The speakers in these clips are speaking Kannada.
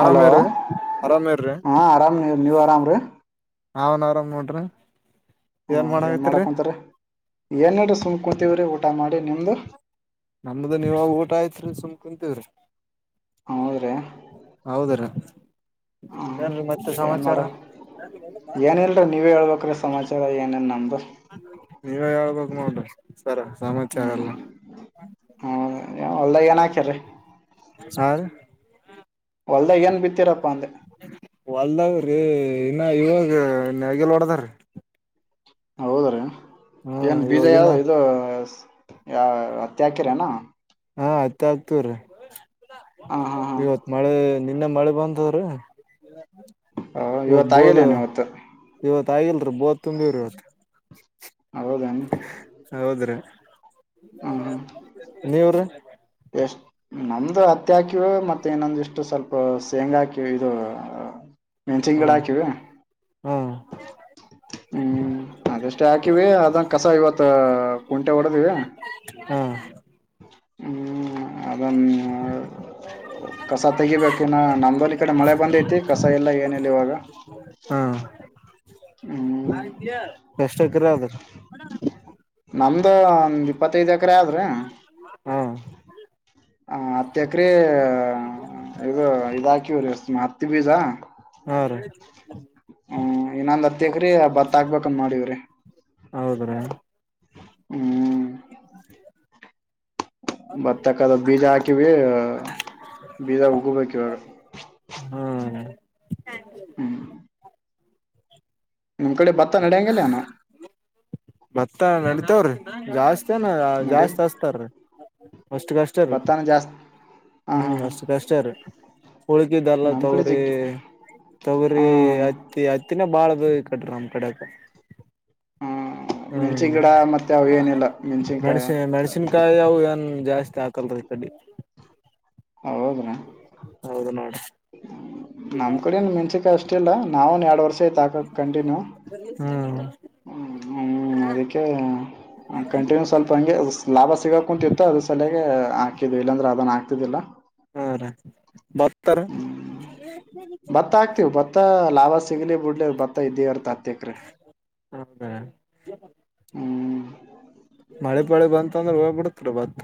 ಹಲೋ ಅರಾಮೇರಿ ಅರಾಮೇರಿ. ಹಾ ಆರಾಮ್ ನೀವ್ ನೀವ್ ಆರಾಮ್ ರೀ ನಾನು ಆರಾಮ್ ನೋಡ್ರಿ. ಹಾ ಏನ್ ಮಾಡಕುಂತಿರೀ ಏನಿಲ್ರಿ ಸುಮ್ ಕುಂತೀವ್ರೀ ಊಟ ಮಾಡಿ ನಿಮ್ದು. ನಮ್ದ ನೀವಾಗ ಊಟ ಆಯ್ತ್ರಿ ಸುಮ್ ಕುಂತಿವ್ರಿ. ಹೌದ್ರಿ ಹೌದ ರೀ ಹ್ಮ್ ಏನ್ರಿ ಮತ್ತೆ ಸಮಾಚಾರ. ಏನಿಲ್ರೀ ನೀವೇ ಹೇಳ್ಬೇಕ್ರೀ ಸಮಾಚಾರ ಏನೆನ್ ನಮ್ದು. ನೀವೇ ಹೇಳ್ಬಕ್ ನೋಡ್ರಿ ಸರ ಸಮಾಚಾರ ಎಲ್ಲ. ಹಾ ಹೊಲ್ದಾಗ್ ಏನಕಿರಿ. ಸರ್. ಒಲ್ದಾಗ್ ಏನ್ ಬಿತ್ತೀರಪ್ಪಾ ಅಂದೆ. ಹೊಲ್ದಾಗ್ರಿ ಇನ್ನ ಇವಾಗ ನೇಗಿಲ್ ಹೋಡದಾರಿ. ಹೌದ್ರೀ ಹ್ಮ್ ಏನ್ ಬೀಜ ಇವಾಗಿನ ಯಾವ್ದ ಇದು. ಯಾವ್ ಹತ್ತಿ ಹಕ್ಯರೇನ. ಹಾ ಹತ್ತಿ ಹಕ್ತೀವ್ರಿ ಹಾ ಹಾ ಇವತ್ ಹಾ ಮಳೆ. ನಿನ್ನೆ ಮಳಿ ಬಂದದರಿ ಇವಾಗ ಇವತ್ತು ಬೋದ. ಆಗಿಲ್ಲೇನು ಇವತ್ತು ಇವತ್ ಆಗಲ್ರೀ ಬೋದ ತುಂಬೀವ್ರಿ ಇವತ್ತು. ಹೌದನ್ ಹೌದ್ರಿ ನೀವ್ರಿ. ಎಷ್ಟ ನಮ್ದು ಹತ್ತಿ ಹಾಕಿವಿ ಮತ್ತೆ ಇನ್ನೊಂದು ಇಷ್ಟು ಸ್ವಲ್ಪ ಶೇಂಗಾ ಹಾಕಿವಿ ಇದು. [inaudible] ಮೆಣಸಿನ ಗಿಡ ಹ್ಮ್ ಹಾಕಿವಿ. ಹ್ಮ್ ಹ್ಮ್ ಅದಷ್ಟೇ ಹಾಕಿವಿ ಅದ ಕಸ ಇವತ್ ಕುಂಟೆ ಹೊಡದೀವಿ. ಹ್ಮ್ ಹ್ಮ ಅದ. ಕಸ ತೆಗಿಬೇಕಿನ್ನ ನಮ್ದಲ್ಲಿ ಇಕಡೆ ಮಳೆ ಬಂದೈತಿ ಕಸ ಇಲ್ಲ ಏನಿಲ್ಲ ಇವಾಗ. ಹ್ಮ್ ಹ್ಮ [unintelligible] ಎಷ್ಟ ಎಕರೆ ಅದ. [unintelligible] ನಮ್ದು ಒಂದ್ ಇಪ್ಪತ್ತೈದ್ ಎಕರೆ ಆದ ರಿ. ಹ್ಮ್ ಹ ಹತ್ತ ಎಕರೆ ಇದು ಇದ ಹಾಕಿವಿ ರೀ ಹತ್ತಿ ಬೀಜಾ. ಹಾ ರಿ. ಹ್ಮ ಇನೊಂದ ಹತ್ತೆಕರೆ ಬತ್ತ ಹಾಕ್ಬೇಕಂತ್ ಮಾಡಿವ್ರಿ. ಹೌದ್ರಿ ಹ್ಮ್ ಭತ್ತಕ್ಕದು ಬೀಜ ಹಾಕಿವಿ ಬೀಜ ಉಗಬೇಕ ಇವಾಗ. ಹ್ಮ್ ಹ್ಮ್ ನಮ್ಮ್ ಕಡೆ ಭತ್ತ ನಡೆಯಂಗಿಲ್ಲ ಯಣ್ಣ. [unintelligible] ಭತ್ತ ನಡಿತವ್ರಿ ಜಾಸ್ತಿ ತನ ನಡಿ ಜಾಸ್ತಿ ಹಸ್ತಾರೀ ಅಷ್ಟ ಕಷ್ಟ ರೀ. ಭತ್ತಾನ ಜಾಸ್ತಿ ಹಾ ಹಾ ಹ್ಮ್ ಹಾ ಅಷ್ಟ ಕಷ್ಟ ರೀ. ಉಳ್ಕಿದ್ದೆಲ್ಲಾ ನಮ್ ಕಡೆ ತೊಗ್ರಿ ಜಗ್ಗಿ ತೊಗ್ರಿ ಹ್ಮ್ ತ್ತಿ ಹತ್ತಿನ ಬಾಳ ಅದ ರೀ ಇಕಡಿರಿ ನಮ್ಮ್ ಕಡೆಕ. ಮೆಣಸಿನ್ ಹ್ಮ್ ಗಿಡ ಮತ್ತ ಯಾವ ಏನಿಲ್ಲ ಮೆಣಸಿನ್ಕಾಯಿ. ನಕಾಯಿವು ಏನ್ ಜಾಸ್ತಿ ಹಾಕಲ್ರಿ ಈಕಡಿ. ಹೌದ್ರಾ. ಹೌದು ನೋಡ. ನಮ್ ಕಡೇನ್ ಮೆನ್ಸಿಕಾಯಿ ಅಷ್ಟ ಇಲ್ಲ ನಾವನ್ ಎರಡ್ ವರ್ಷ ಆಯ್ತಾಕಕ್ ಕಂಟಿನ್ಯೂ. ಹ್ಮ್ ಹ್ಮ ಹ್ಮ ಅದಕ್ಕೆ ಕಂಟಿನ್ಯೂಸ್ ಸ್ವಲ್ಪ ಹಂಗೆ ಲಾಭ ಸಿಗೋಕುಂತಿತ್ತು ಅದ್ರ ಸಲಯಾಗ ಹಾಕಿದ್ವಿ ಇಲ್ಲಾಂದ್ರೆ ಅದನ್ನು ಹಾಕ್ತಿದ್ದಿಲ್ಲ. ಹಾ ರಿ ಬತ್ತ ರಿ. ಹ್ಮ್ ಭತ್ತ ಹಾಕ್ತಿವಿ ಭತ್ತ ಲಾಭ ಸಿಗ್ಲಿ ಬಿಡ್ಲಿ ಭತ್ತ ಇದ್ದೇ ಇರ್ತ ಹತ್ತ ಎಕ್ರೆ [unintelligible] ಹೌದಾ. ಹ್ಮ್ ಮಳೆ ಪಾಳೆ ಬಂತ ಅಂದ್ರೆ ಹೋಗ್ಬ ಬಿಡತರಿ ಭತ್ತ.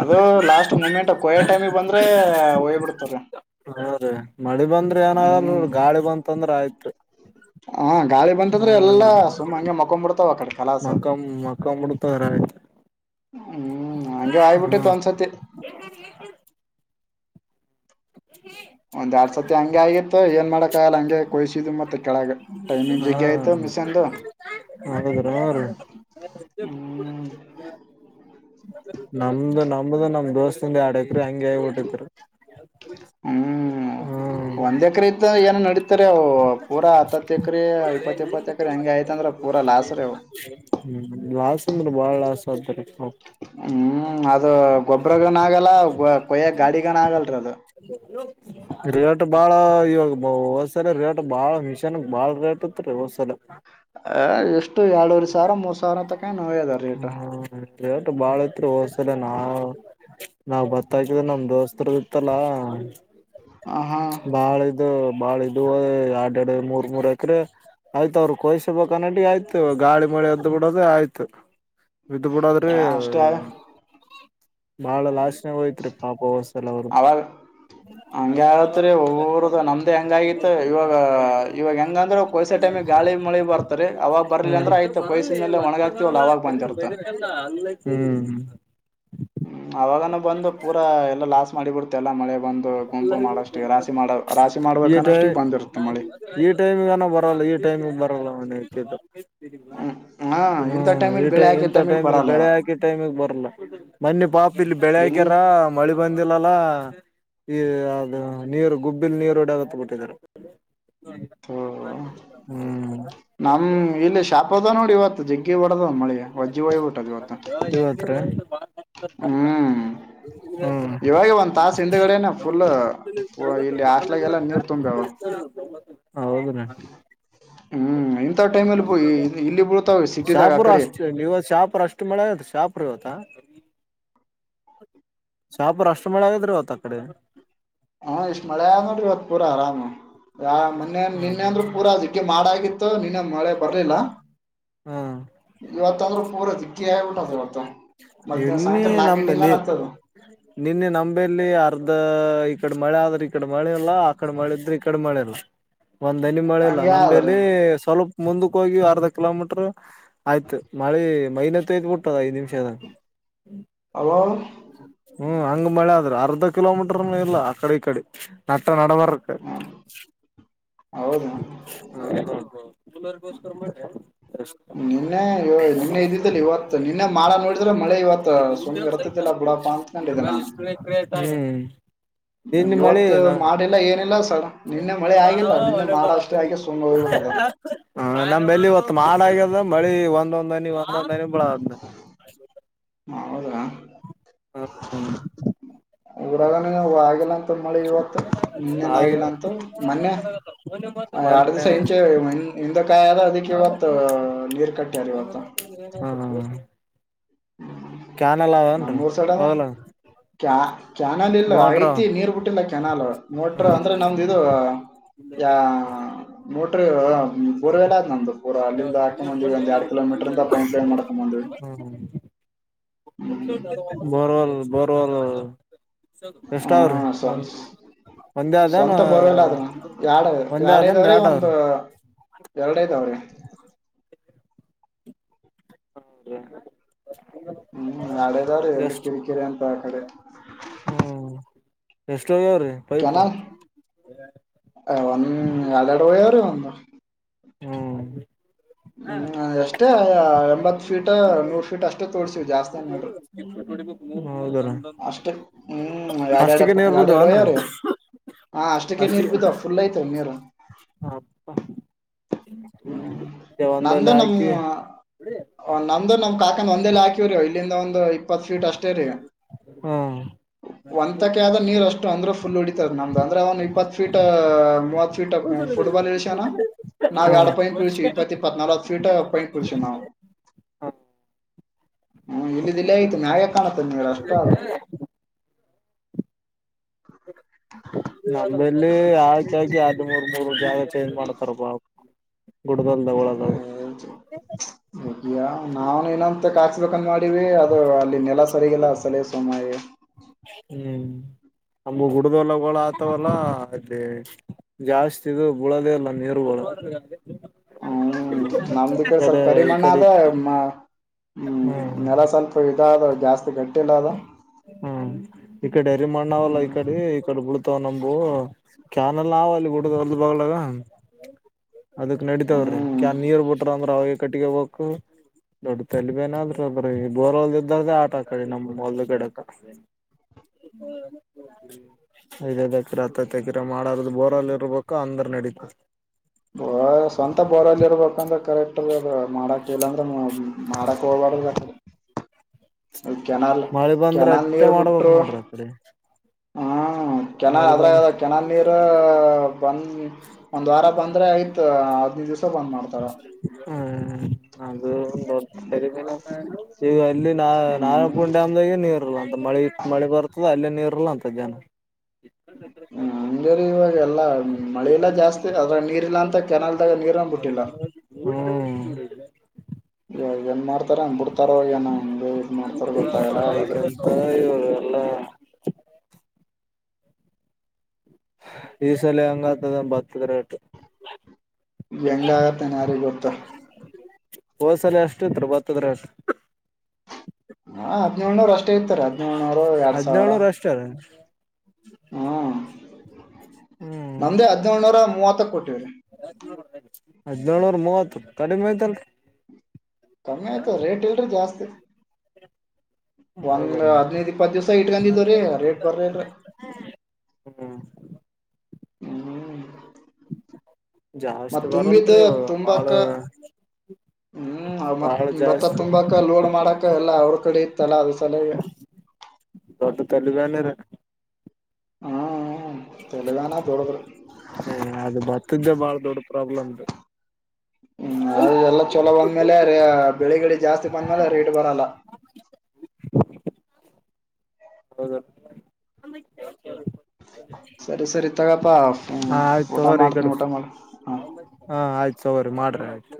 ಅದು ಲಾಸ್ಟ್ ಮೂಮೆಂಟ್ ಕೊಯ್ಯೋ ಟೈಮಿಗೆ ಬಂದ್ರೆ ಹೋಯಿ ಬಿಡ್ತರೀ. ಹಾ ರೀ ಮಳಿ ಬಂದ್ರೆ ಏನಾಗಲ್ ಹ್ಮ್ ಗಾಳಿ ಬಂತಂದ್ರ ಆಯ್ತ್ರಿ. ಹಾ ಗಾಳಿ ಬಂತಂದ್ರೆ ಎಲ್ಲಾ ಸುಮ್ಮ ಹಂಗೆ ಮಕೊಂಡ್ ಬಿಡ್ತಾವ ಆ ಕಡೆ ಕಾಲ. ಮಕಂ ಮಕಂ ಮುಡ್ತದ್ರ ಆಯ್ತು ಹ್ಮ್ ಹಂಗೆ ಹಾ ಆಯ್ಬಿಟ್ಟಿತ್ತು ಒಂದ್ಸತಿ. [unintelligible] ಒಂದ್ ಎರಡ್ ಸತಿ ಹಂಗೆ ಆಗಿತ್ತು ಏನ್ ಮಾಡಕ್ಕ ಆಗಲ್ಲ ಹಂಗೆ ಕೊಯಸಿದು ಮತ್ತ. ಕೆಳಗ ಟೈಮಿಂಗ್ ಜಗ್ಗೆ ಆಯಿತು ಮಿಷನಂದು. ಹಾಗಿದೀರ ಅವ್ರು. ಹ್ಮ್ ನಂಬ್ದು ನಂಬ ದೊಸ್ತಂದ ಎರಡ ಎಕ್ರಿ ಹಂಗೆ ಆಗ ಬಿಟ್ಟಿತ್ತರಿ. ಹ್ಮ್ ಹ್ಮ. ಒಂದ್ ಎಕ್ರ ಇತ್ತಂದ್ರ ಏನ ನಡೀತಾದ ಅವು ಪೂರ ಹತ್ತತ್ತು ಎಕರೆ ಇಪ್ಪತ್ತು ಇಪ್ಪತ್ತು ಎಕರೆ ಹೆಂಗೆ ಆಯ್ತ ಅಂದ್ರ. [unintelligible] ಹ್ಮ್ ಲಾಸ್ ಅಂದ್ರೆ ಬಾಳ ಲಾಸ್ ಆತ ರಿ. ಹ್ಮ್ ಅದು ಗೊಬ್ಬ್ರಗನ ಆಗಲ್ಲ ಕೊಯ್ಯ ಗಾಡಿಗನ ಆಗಲ್ರ ಅದು. [unintelligible] ರೇಟ್ ಬಾಳ ಇವಾಗ ಹೊದಸಲ ರೇಟ್ ಬಾಳ ಮಿಷನ್ ಬಾಳ ರೇಟ್ ಇತ್ ರೀ ಹೊದ್ಸಲ. ಅ ಎಷ್ಟು ಎರಡೂವರು ಸಾವಿರ ಮೂರ್ ಸಾವಿರ ಅಂತಕ ಏನೋ ಹೊಗೆದ. ಹ್ಮ್ ರೇಟ್ ಬಾಳ ಇತ್ತರಿ ಹೋಸಲ ನಾ. ನಾವ್ ಬರತ್ತಾ ಇದ್ದವಿ ನಮ್ ದೋಸ್ತರು ಇತ್ತಲ್ಲಾ. ಹ ಹಾ. ಬಾಳ ಇದು ಬಾಳ ಇದು ಎರಡ್ ಎರಡ ಮೂರ್ ಮೂರ್ ಎಕ್ರೆ. ಆಯ್ತು ಅವ್ರರು ಕೊಯ್ಬೇಕ ನಟಿ ಆಯ್ತು ಗಾಳಿ ಮಳೆ ಎದ್ದ್ ಬಿಡೋದು ಆಯ್ತು. ಬಿಟ್ಟು ಬಿುಡದ್ರೆ ಅಷ್ಟೇ ಬಾಳ ಲಾಸ್ದಾಗ ಹೋಯ್ತ್ರಿ ಪಾಪಸ್. ಕೆಲವರದು. ಅವಾಗ ಹಂಗೆ ಆಗತ್ರಿ ಒಬ್ಬರದು ನಮ್ದೇ [unintelligible] ಹಂಗಂದ್ರೆ ಕೊಯಸ ಟೈಮಿಗೆ ಗಾಳಿ ಮಳಿ ಬರ್ತರಿ ಅವಾಗ ಬರ್ಲಿ ಅಂದ್ರ ಆಯ್ತ ಕೊಯಸಿದ ಮೇಲೆ ಒಣಗಾತಿವಲ್ ಅವಾಗ ಬಂದಿರತ. ಹ್ಮ್ ಹ್ಮ್. ಹ್ಮ ಅವಾಗಾನೂ ಬಂದು ಪೂರಾ ಎಲ್ಲಾ ಲಾಸ್ ಮಾಡಿ ಬಿಡ್ತ ಎಲ್ಲಾ ಮಳೆ ಬಂದು. ಗುಂಪು ಮಾಡೋಷ್ಟು ರಾಶಿ ಮಾಡ ರಾಶಿ ಈ ಮಾಡ್ಬೇಕನ್ನ ಟೈಮ್ ಅಷ್ಟಿಗೆ ಬಂದಿರುತ್ತೆ ಮಳಿ. ಈ ಟೈಮಿಗ ಅನ ಬರಲ್ಲ ಈ ಟೈಮಿಗೆ ಬರಲ್ಲ ಮಳೆ ಹತ. ಹ್ಮ್ ಹಾ ಇಂಥ ಹ್ಮ್ ಈ ಟೈಮಲ್ಲಿ ಬೆಳೆ ಟೈಮ್ ಹಾಕೋ ಇಂಥ ಟೈಮಿಗೆ ಬರಲ್ಲ ಬೆಳೆ ಹಾಕಿ. ಟೈಮಿಗೆ ಬರಲ್ಲ ಮೊನ್ನೆ ಪಾಪ ಇಲ್ಲಿ ಬೆಳೆ ಇಲ್ ಹಾಕ್ಯಾರ ಮಳಿ ಬಂದಿಲ್ಲಲ್ಲ. ಈ ಅದು ನೀರು ಗುಬ್ಬಿಲ್ ನೀರು ಹೊಡ್ಯಾಕತ್ತ ಬಿಟ್ಟಿದ್ರ. ಹ್ಮ್. ನಮ್ ಇಲ್ಲಿ ಶಾಪ ಅದ ನೋಡಿ ಇವತ್ತು ಜಗ್ಗಿ ಹೊಡದ ಮಳಿ ವಜ್ಜಿ ಹೊಯಿಬ ಬಿಟ್ಟದ ಇವತ್ತು. [inaudible] ಹ್ಮ್. ಹ್ಮ್ ಇವಾಗ ಒಂದ್ ತಾಸ ಹಿಂದಗಡೆನೆ ಫುಲ್ ಇಲ್ಲಿ ಹಾಸ್ಟ್ಲಾಗ ಎಲ್ಲ ನೀರ್. ತುಂಬ್ಯಾವ ಹೌ. ಹ್ಮ್ ಇಂಥ ಟೈಮ್ಲ್ಲಿ ಇಲ್ಲಿ. ಬೀಳ್ತಾವ ಸಿಟಿದಾಗ ಆ ಶಾಪೂರ್ ಕಡೆ ಅಷ್ಟ ನೀವ ಶಾಪುರ ಅಷ್ಟು ಮಳೆ ಇತ್ತು ಶಾಪುರ್ ಇವತ್ತ. ಶಾಹಾಪುರ ಅಷ್ಟ ಮಳೆ ಆಗೆತ್ರಿ ಅವತ್ತು ಅ ಕಡೆ. ಹಾ ಇಷ್ಟ್ ಮಳೆ ಅದ ನೋಡ್ರಿ ಇವತ್ ಪೂರ ಅರಾಮ್ ಯ ಮೊ ನಿನ್ನೆ ಅಂದ್ರೂ ಪೂರ ಅದಿ. ಗೆ ಮಾಡಗತ್ತು ನೀನ್ನ ಮಳೆ ಬರ್ಲಿಲ್ಲ. ಹ್ಮ್ ಇವತ್ತಂದ್ರೂ ಪೂರ ಇಕ್ಕಿ ಹೇಳಬುಟ್ ಇವತ್ತು ಮಧ್ಯಾಹ್ನ ನಿನ್ನೆ ಸಾಯಂಕಾಲ ನಾಲ್ಕ ನಮ್ಮಲ್ಲಿ ಗಂಟೆಲದತ್ತದು ನಿನ್ನೆ ನಂಬೆಲ್ಲಿ ಅರ್ಧ ಈ ಕಡೆ ಮಳೆ ಆದ್ರ್ ಈ ಕಡೆ ಮಳೆ ಇಲ್ಲ. ಈ ಕಡೆ ಮಿದ್ರೆ ಈ ಕಡೆ ಮಳೆ ಇಲ್ಲ ಒಂದ್ ಹನಿ ಮಳೆ ಇಲ್ಲ ಹಂಗೆ ಆದ್ರಿ ನಂಬೆಲಿ ಸ್ವಲ್ಪ್ ಮುಂದಕ್ಕೆ ಹೋಗಿ ಅರ್ಧ ಕಿಲೋಮೀಟರ್ ಆಯ್ತು ಮಳಿ ಮೈನೆತ್ತೆದ್ ಬಿಟ್ಟು ಐದ್ ನಿಮಿಷ ಏನ ಹಲೋ ಹ್ಮ್ ಹಂಗ ಮಳೆ ಆದ್ರೆ ಅರ್ಧ ಕಿಲೋಮೀಟರ್ ನೂ ಇಲ್ಲ ಆ ಕಡೆ ಈ ಕಡೆ ನಟ ನಡಬರಕ್ ಹೌದ ಹ ಹ ಹ ಕೂಲೆ ಗೋಸ್ಕರ ಮಾಡದ ನಿನ್ನೆ ನಿನ್ನೆ ಇದಿದ್ದಲ್ಲಿ ಇವತ್ತು ನಿನ್ನೆ ಮಾಡ ನೋಡಿದ್ರೆ ಮಳೆ ಇವತ್ತು ಸುಮ್ಮ್ ಇರ್ತತಿಲ್ಲ ಬಿಡಪ್ಪಾ ಅಂತ ಇದ್ರ ಮೇಲ್ ಸ್ಪ್ರೇರೆ ಇಟ್ಟರ್ ಆಯತ್ ಇವತ್ತು ಮಾಡಿಲ್ಲ ಏನಿಲ್ಲ ಸರ್ ನಿನ್ನೆ ಮಳೆ ಆಗಿದ್ ಇಲ್ಲ ನಿನ್ನೆ ಮಾಡ್ ಅಷ್ಟೇ ಆಗಿ ಸುಮ್ಮನೆ ಹೋಗ್ಬಿಟ್ಟದ. ಹ ನಮ್ ಇವತ್ ಮಾಡ ಆಗ್ಯದ ಮಳಿ ಒಂದೊಂದ್ ಹನಿ ಒಂದೊಂದ್ ಹನಿ ಬಳದಾ ಹೌದಾ ಹ್ಮ ಊರಗನಗೆ ಆಗಿಲ್ಲ ಅಂತ ಮಳಿ ಇವತ್ತು ನೆನ್ನೇನೂ ಹಾಗೆ ಆಗಿಲ್ಲ ಅಂತೆ ಮೊನ್ನೆ. ಎರಡು ದಿವಸ ಮೊನ್ನೆ ಇಂಚೆ ಹಿಂದೆ ಕಾಯಲ ಅದಕ್ ಇವತ್ ನೀರ್ ಕಟ್ಟ್ಯಾರ ಇವತ್ತು. ಹ ಹಾ ಕ್ಯಾನ್ ಅವೆಲ್ಲ ಏನ್ರೀ ಹ ಕ ಕ್ಯಾನಲ್ ಇಲ್ಲ ಐತಿ ನೀರ್ ಬಿಟ್ಟಿಲ್ಲ ಕ್ಯಾನಲ್ ಮೊಟ್ರು ಹ್ಮ್ ಅಂದ್ರೆ ನಮ್ದ ಇದು ಯ ಮೋಟ್ರ ಬೋರ್ ವೆಲ್ ಆದಿ ನಮ್ದು. ಪೂರ ಅಲ್ಲಿಂದ ಹಾಕೊಂಡ್ ಬಂದಿವಿ ಒಂದ್ ಎರಡ್ ಕಿಲೋಮೀಟರ್ ಇಂದ ಪೈಪ್ ಲೈನ್ ಮಾಡ್ಕೊಂಡ್ ಬಂದಿವಿ [unintelligible] ಹ್ಮ್ ಬೋರವೆಲ್ ಬೋರವೆಲ್ ಹಾ ಎಷ್ಟ್ ಅವ್ರೀ. ಸ್ವಂತ ಸ್ವಂತ ಬೋರವೆಲ್ ಅದ್ ಎಡು ಒಂದೇ ಎರಡು ಆದನ್ ಇದಾವ್ ರೀ ಎರಡ್ ಒಂದು ಅವ್ರಿ ಎರಡ ಐತ್ತಾವ್ರೀ ಹೌದ ಹ್ಮ್ ಎರಡದಾವ್ರೀ ಎಲ್ಲಿ ಎಷ್ಟ್ ಕಿರಿಕಿರಿ ಅಂತ ಆಕಡೆ ಹ್ಮ್ ಎಷ್ಟು ಒಗ್ಯಾವ್ ರೀ ಕೆನಲ್ ಒಂದು ಎರಡು ಎರಡ್ ಅವ ರೀ ಒಂದು ಹ್ಮ್ ಹ್ಮ್ ಅಷ್ಟೇ ಎಂಭತ್ ಫೀಟ್ ನೂರ್ ಫೀಟ್ ಅಷ್ಟೇ ತೋರ್ಸಿವ್ ಜಾಸ್ತಿ ನೋಡ್ರಿ. ಹೌದರ ಅಷ್ಟ ಹ್ಮ್ ಎರಡು ಎರಡು ಅಷ್ಟಿಗೆ ನೀರ್ ಎರಡು ಎರಡು ಬಿದ್ದವನ್ರಿ ವಯ್ರೀ ಹ ಅಷ್ಟಕ್ಕ ನೀರ್ ಬಿತ ಪುಲ್ ಐತ್ ತಂಗ್ಯಾರೊ ಅಪ್ಪ ಹ್ಮ್ ಒಂದಲ್ಲಿ ನಂದು ನಮ್ಮ್ ಹಾಕಿ ನಮ್ದು ನಮ್ ಕಾಕಂದ್ ಒಂದೇಲಿ ಹಾಕಿವ್ ರೀ ಇಲ್ಲಿಂದ ಒಂದು ಇಪ್ಪತ್ ಫೀಟ್ ಅಷ್ಟೇ ರೀ ಹಾ ಒಂತಕೆ ಆದ ನೀರ್ ಅಷ್ಟು ಅಂದ್ರೆ ಫುಲ್ ಹೊಡಿತ್ತದ್ ನಮ್ದ ಅಂದ್ರೆ ಏನ್ ಇಪ್ಪತ್ ಫೀಟ್ ಮೂವತ್ ಫೀಟ್ ಹೆ ಪುಟ್ಬಾಲ್ ಇಳಷಾನ ಹ ನಾವ್ ಎರಡು ಪೈಪ್ ಇಳ್ಳಸಿ ಇಪ್ಪತ್ತ್ ಇಪ್ಪತ್ತ್ ನವಲತ್ತ್ ಫೀಟು ಪೈಪ್ ಇಶನೊ ಹ್ಮ ಇಲ್ಲದೆ ಇಲ್ಲೆ ಐತುನ್ಯಾಗೆ ಕಾಣುತ್ತ ನೀ ಅಷ್ಟ ಆವು ಅಂದಲ್ಲಿ ಆಕಿ ಹಾಕಿ ಆರ್ ಮೂರ್ ಮೂರು ಜಾಗ ಚೇಂಜ್ ಮಾಡತಾರಪ್ಪಾ. ಗುಡ್ದಲ್ದ ಉಳ ಹೋಗಿಯಾ ನಾವ ಇನ್ನೊಂದು ತಕ ಹಾಕ್ಬೇಕಂತ ಮಾಡಿವೆ. ಅದು ಅಲ್ಲಿ ನೆಲ ಸರಿಗಿಲ್ಲ ಅಸಲಿಗೆ ಸುಮ ಆಗಿವೆ. ಹ್ಮ್ ನಂಬುವು ಗುಡ್ದದ ಹೊಲ ಆತವಲ್ಲಅದ್ಕೆ. ಜಾಸ್ತಿ ಇದು ಬೀಳದೆ ಇಲ್ಲ ನೀರುಗಳು. ನಮ್ದು ಈ ಕಡಿ ಸ್ವಲ್ಪ ಕಡೆ ಈ ಕರಿಮಣ್ಣ ಕಡೆ ಆದ. ಹ್ಮ್ ನೆಲ ಸ್ವಲ್ಪ ಇದಾದ ಆದ್ರ ಜಾಸ್ತಿ ಗಟ್ಟಿಲ್ಲ ಅಲ್ಲ. ಹ್ಮ್ ಈ ಕಡೆ ಎರಿಮಣ್ಣ ಅವಲ್ಲ ಈ ಹ್ಮ್ ಕಡೆ ಈ ಕಡೆ ಬುಳತಾವ ನಂಬುವೂ. ಕ್ಯಾನಲ್ ಅವ ಅಲ್ಲಿ ಗುಡ್ಡದ ಹೊಲದ ಬಗಲಗ. ಅದಕ್ ನಡೀತಾವ್ರೀ ಹ್ಮ್ ಕ ನೀರ್ ಬಿಟ್ರ ಅಂದ್ರ ಅವಗೇ ಕಟ್ಟಿಗೆಬೇಕು. ದೊಡ್ಡ ತಲೆ ಬೇನಾದ್ರ ಅದ್ರಗ ಬೋರ್ಲ್ದ ಇದೋರ್ ಆಟ. ಕಡೆ ನಮ್ಮ ಹೊಲದ ಕಡೆತನ. ಐದೈದು ಏಕಿರ ಹತ್ತತೆಕಿರಾ ಮಾಡಾರದು ಬೋರಲ್ಲ ಇರ್ಬೇಕು. ಅಕ್ಕ ಅಂದ್ರ ನಡೀತದ. ಬ ಸ್ವಂತ ಬೋರಲ್ಲಿ ಇರ್ಬೇಕಂದ್ರೆ ಕರೆಕ್ಟ್ ಅ ಮಾಡಕ್ ಇಲ್ಲ ಅಂದ್ರೆ. ಮಾಡಕ್ಕೋಬದ್ದು ಅಕಾಡಿ ಮಳೆ ಬಂದ್ರೆ ಕೆನಾಲ್ ಅಟ್ಟೆ ನೀರ್ ಮಾಡ್ಬೇಕ ಬಿಟ್ರು ನೋಡ್ರಿ ಅಕಡಿ. ಹ್ಮ ಕೆ ಅದ್ರಗ ಬಂದ್ರ ಅದ್ರಗ ಕೆನಾಲ್ ನೀರು ಬಂದ ಒಂದ್ ವಾರ ಬಂದ್ರೆ ಆಯ್ತ್ ಹದಿನೈದು ದಿವ್ಸ ಬಂದ್ ಮಾಡ್ತಾರ. ಹ್ಮ್ ಅದು ದೊಡ್ಡ ತಲೆ ಬ್ಯಾನೆ [unintelligible] ಈಗ ಅಲ್ಲಿ ನಾ ಹ್ಮ್ ನಾರಾಯಣಪುರ್ ಡ್ಯಾಮ್ದಾಗೆ ನೀರ್ ಇಲ್ಲ ಅಂತ ಮಳೆ ಇಟ್ಟ ಮಳೆ ಬರ್ತದ ಅಲ್ಲೇ ನೀರ್ ಇಲ್ಲಾ ಅಂತದ ಜನ. ಅಜ ಇವಾಗ ಎಲ್ಲಾ ಮಳೆ ಇಲ್ಲ ಜಾಸ್ತಿ ಅದ್ರಾಗ ನೀರ್ ಇಲ್ಲಾ ಅಂತ ಕೆನಲ್ದಾಗ ನೀರು [unintelligible] ಹ್ಹಾ ಇ ಏನ್ ಮಾಡ್ತಾರೋ ಏನೋ ಹಂಗ್ ಏನಂಗ ಇದು ಮಾಡ್ತಾರೋ ಗೊತ್ತಾಗಲ್ಲ ಅದು. ಹೋ ಇವ್ರೆಲ್ಲಾ ಈ ಸಲ ಹೆಂಗಾತದೇನು ಬತ್ತದ ರೇಟು. ಹೆಂಗಾತದೇನು ಯಾರಿಗ ಗೊತ್ತು. ಹೋಸಲ ಎಸ್ಟಿತ್ರಿ ಬತ್ತದ್ ರೇಟ. ಹಾ ಹದಿನೇಳನೂರ್ ಅಷ್ಟೇ ಇತ್ತು ರಿ ಹದಿನೇಳಳ್ನೂರು ಎರಡ್ ಸಾವಿರ [unintelligible] ಹ್ಮ್ ಹ್ಮ್ ನಮ್ದೇ ಹದಿನೇಳುನೂರ ಮೂವತ್ತಕ ಕೊಟಿವ್ರಿ. ಹದ್ನೇಳನೂರ್ ಮೂವತ್ತು ಕಡಿಮೆ ಆಯ್ತಲ್ರಿ. ಕಮ್ಮಿ ಆಯ್ತು ರೇಟ್ ಇಲ್ರಿ ಜಾಸ್ತಿ. ಒಂದ್ ಹೌದ್ರೀ ಹದಿನೈದು ಇಪ್ಪತ್ತು ದಿವ್ಸ ಇಟ್ಕಂದಿವ್ರಿ ರೇಟ್ ಬರ್ಲಿಲ್ಲ ರಿ. ಹ್ಮ್ ಹ್ಮ್ ಜಾಸ್ತಿ ಮತ್ ತುಂಬಿದ್ ಬರಲ್ರಿ ಇವಾಗ ಬಾಳ ತುಂಬಾಕ ಹ್ಮ್ ಅವ ಮತ್ ಬಾಳ ಭತ್ತ ಜಾಸ್ತಿ ತುಂಬಾಕ ಲೋಡ್ ಮಾಡಕ ಎಲ್ಲ ಅವ್ರ ಕಡೆ ಇತ್ತಲ್ಲ ಅದು ಸಲ್ಯಾಗೆ. ದೊಡ್ಡ ತಲೆ ಬ್ಯಾನೆ ರಿ. ಹ್ಮ ತಲೆಬ್ಯಾನೆ ದುಡ್ಡದರು. ಹ ಅದು ಬತ್ತದ್ ಬಾಳ ದೊಡ್ಡ ಪ್ರಾಬ್ಲಮ್ ರಿ. ಹ್ಮ್ ಅದೆಲ್ಲ ಚಲೋ ಬಂದ್ಮೇಲೆ ಬೆಳೆಗಿಳೆ ಜಾಸ್ತಿ ಬಂದ್ಮೇಲೆ ರೇಟ್ ಬರಲ್ಲ. ಹೌದು. ಸರಿ ಸರಿ ತಗಪ್ಪಾ. ಹಾ ಆಯ್ತು ಊಟ ತಗೋರಿ ಈ ಮಾಡ್ತೀನಿ ಕಡೆ ಊಟ ಮಾಡು ಹಾ ಹ ಆಯ್ತು ತೊಗರಿ ಮಾಡ್ರಿ ಆಯ್ತು.